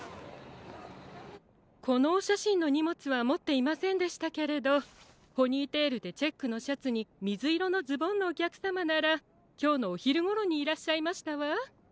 このおしゃしんのにもつはもっていませんでしたけれどポニーテールでチェックのシャツにみずいろのズボンのおきゃくさまならきょうのおひるごろにいらっしゃいましたわ。